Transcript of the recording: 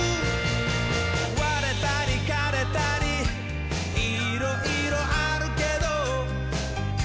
「われたりかれたりいろいろあるけど」